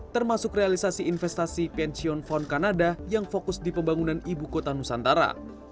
termasuk realisasi investasi pensiun fond kanada yang fokus di pembangunan ibu kota nusantara